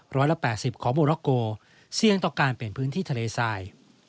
ร้อยละ๘๐ของโมร็อกโกเสี่ยงต่อการเปลี่ยนพื้นที่ทะเลทราย